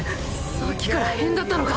さっきから変だったのか！？